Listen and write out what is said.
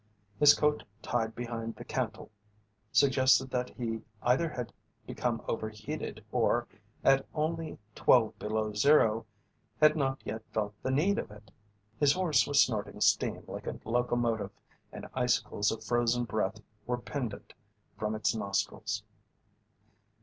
His coat tied behind the cantle suggested that he either had become overheated or at only twelve below zero had not yet felt the need of it. His horse was snorting steam like a locomotive and icicles of frozen breath were pendent from its nostrils.